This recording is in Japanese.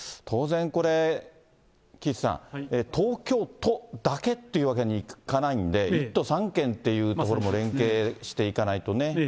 当然これ、岸さん、東京都だけっていうわけにいかないんで、１都３県っていうところも連携していかないとね。